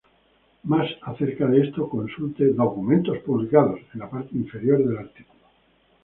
Más acerca de esto, consulte "documentos publicados" en la parte inferior del artículo.